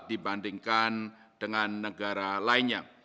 dibandingkan dengan negara lainnya